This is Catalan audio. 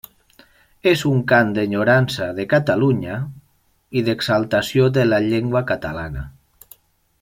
És un cant d'enyorança de Catalunya i d'exaltació de la llengua catalana.